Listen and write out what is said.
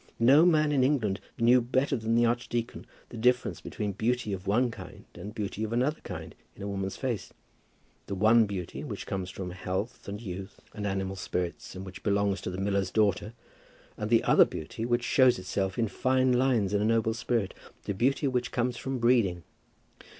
No man in England knew better than the archdeacon the difference between beauty of one kind and beauty of another kind in a woman's face, the one beauty, which comes from health and youth and animal spirits, and which belongs to the miller's daughter, and the other beauty, which shows itself in fine lines and a noble spirit, the beauty which comes from breeding.